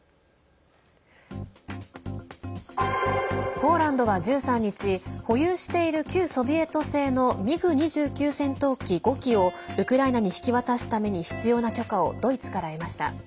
ポーランドは１３日保有している旧ソビエト製のミグ２９戦闘機５機をウクライナに引き渡すために必要な許可をドイツから得ました。